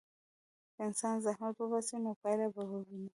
که انسان زحمت وباسي، نو پایله به وویني.